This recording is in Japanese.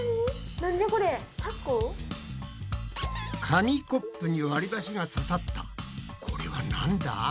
紙コップにわりばしがささったこれはなんだ？